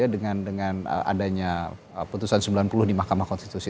dengan adanya putusan sembilan puluh di mahkamah konstitusi